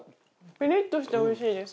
ピリッとしておいしいです。